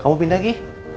kamu pindah lagi